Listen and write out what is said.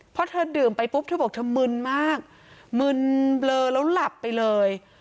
พอเธอดื่มไปปุ๊บเธอบอกเธอมึนมากมึนเบลอแล้วหลับไปเลย